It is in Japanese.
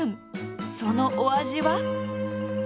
そのお味は？